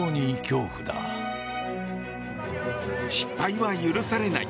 失敗は許されない。